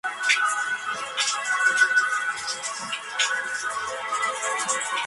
El fondo del conjunto es de color marrón en alusión al hábito franciscano.